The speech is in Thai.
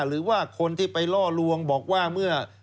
หรือว่าคนที่ไปล่อลวงบอกว่าเมื่อ